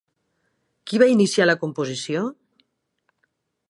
Qui va iniciar la composició?